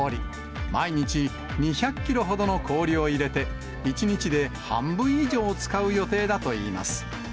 毎日２００キロほどの氷を入れて、１日で半分以上使う予定だといいます。